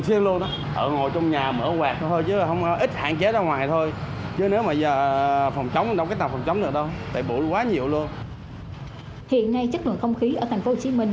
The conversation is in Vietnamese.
hiện nay chất lượng không khí ở tp hcm